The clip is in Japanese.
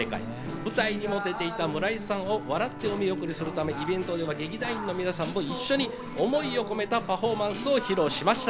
舞台にも出ていた村井さんを笑ってお見送りするためにイベントでは劇団員の皆さんも一緒に思いを込めたパフォーマンスを披露しました。